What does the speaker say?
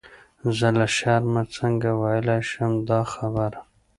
زه له شرمه څنګه ویلای شم دا خبره.